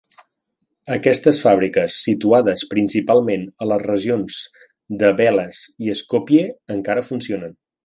Aquestes fàbriques, situades principalment a les regions de Veles i Skopje, encara funcionen.